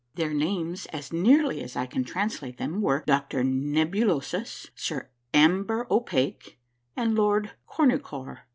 Their names, as nearly as I can translate them, were Doctor Nebulosus, Sir Amber O'Pake, and Lord Cornucore.